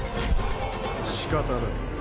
しかたない。